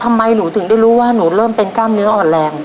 ทำไมหนูถึงได้รู้ว่าหนูเริ่มเป็นกล้ามเนื้ออ่อนแรง